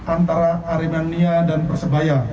antara aremania dan persebaya